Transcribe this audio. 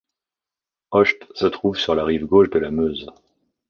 Hocht se trouve sur la rive gauche de la Meuse.